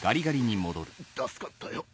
助かったよ。